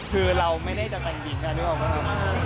คือเราไม่ได้แต่แต่งหญิงนะนึกออกมั้ยครับ